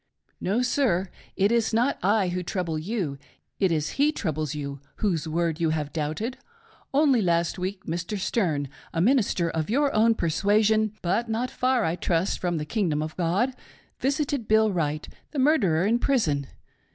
M. : No, sir, it is not I who trouble you : it is He troubles you whose word you have doubted. Only last week Mr. Sterne — a minister of your own persuasion — but not far, I trust, from the kingdom of God — visited Bill Wright, the mur derer, in prison.